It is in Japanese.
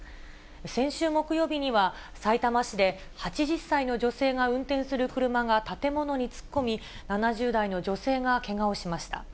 先週木曜日には、さいたま市で８０歳の女性が運転する車が建物に突っ込み、７０代の女性がけがをしました。